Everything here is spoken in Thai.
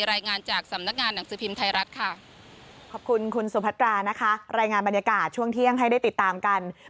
รายงานจากสำนักงานหนังสือพิมพ์ไทยรัฐค่ะ